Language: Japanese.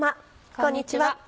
こんにちは。